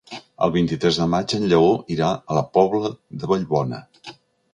El vint-i-tres de maig en Lleó irà a la Pobla de Vallbona.